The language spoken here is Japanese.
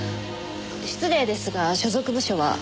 失礼ですが所属部署は？